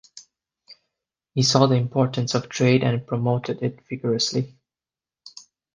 He saw the importance of trade and promoted it vigorously.